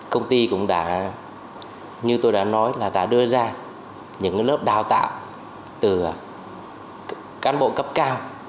công ty cũng đã như tôi đã nói là đã đưa ra những lớp đào tạo từ cán bộ cấp cao